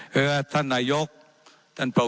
ว่าการกระทรวงบาทไทยนะครับ